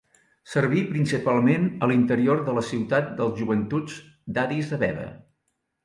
Serví principalment a l'interior de la ciutat dels Joventuts d'Addis Abeba.